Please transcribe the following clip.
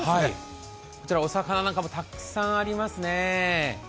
お魚なんかもたくさんありますね。